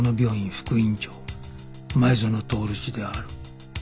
副院長前園徹氏である」